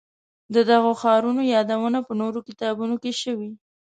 د دغو ښارونو یادونه په نورو کتابونو کې شوې.